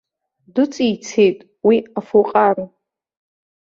Дыҵицеит уи афуҟары.